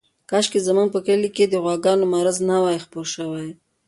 کاشکې زموږ په کلي کې د غواګانو مرض نه وای خپور شوی.